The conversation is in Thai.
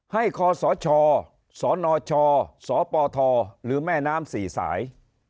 ให้ขอสชสนชสปทหรือแม่น้ำสี่สาย